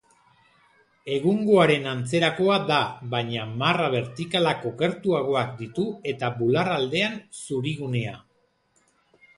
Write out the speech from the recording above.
Egungoaren antzerakoa da, baina marra bertikalak okertuagoak ditu eta bular-aldean zuri-gunea.